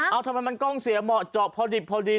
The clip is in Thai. เอาทำไมมันกล้องเสียเหมาะเจาะพอดิบพอดี